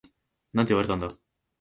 なんて言われたんだ？